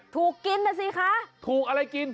ถูกกินเหมือนกันสิคะถูกอะไรกิน